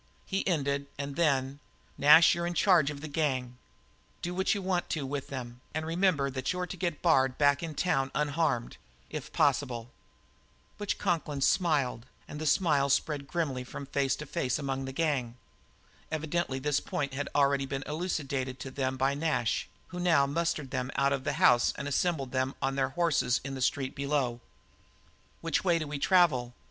He ended, and then: "Nash, you're in charge of the gang. Do what you want to with them, and remember that you're to get Bard back in town unharmed if possible." Butch Conklin smiled, and the same smile spread grimly from face to face among the gang. Evidently this point had already been elucidated to them by Nash, who now mustered them out of the house and assembled them on their horses in the street below. "Which way do we travel?"